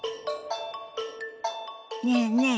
ねえねえ